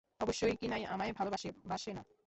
অবশ্যই, কিনাই আমায় ভালোবাসে, বাসে না।